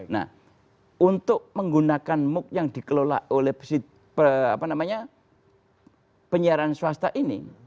nah untuk menggunakan mooc yang dikelola oleh penyiaran swasta ini